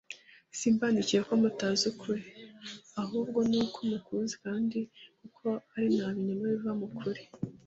Simbandikiriye ko mutazi ukuri, ahubwo ni uko mukuzi kandi kuko ari nta binyoma biva mu kuri.